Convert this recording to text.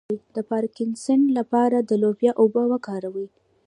د پارکینسن لپاره د لوبیا اوبه وکاروئ